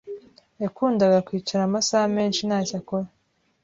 Yakundaga kwicara amasaha menshi ntacyo akora.